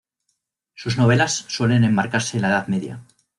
Sus novelas suelen enmarcarse en la Edad Media.